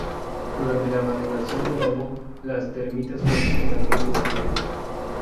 Durante la maduración del hongo, las termitas consumen la piel de su raíz.